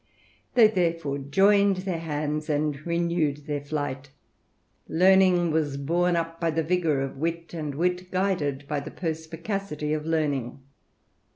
They therefore joined their hands, and renewed their flight : Learning was borne up by the vigour of Wit, and Wir guided by the perspicacity of Learning.